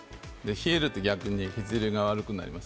冷えると逆に血流が悪くなります。